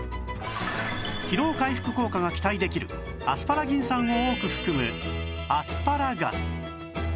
疲労回復効果が期待できるアスパラギン酸を多く含むアスパラガス